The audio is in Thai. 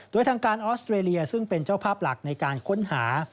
โดยทางการออสเตรเลียซึ่งเป็นเจ้าภาพหลักในการค้นหา